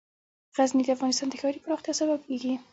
غزني د افغانستان د ښاري پراختیا سبب کېږي.